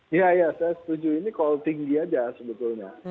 iya ya saya setuju ini call tinggi aja sebetulnya